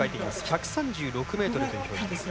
１３６ｍという表示です。